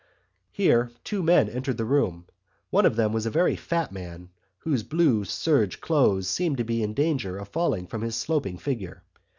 Here two men entered the room. One of them was a very fat man whose blue serge clothes seemed to be in danger of falling from his sloping figure.